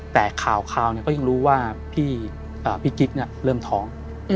แต่ข่าวก็ยิ่งรู้ว่าพี่กิ๊กเริ่มท้อง